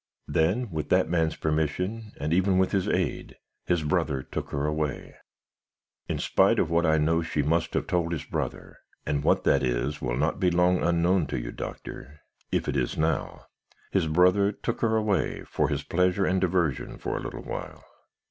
"'Then, with that man's permission and even with his aid, his brother took her away; in spite of what I know she must have told his brother and what that is, will not be long unknown to you, Doctor, if it is now his brother took her away for his pleasure and diversion, for a little while.